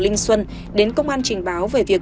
linh xuân đến công an trình báo về việc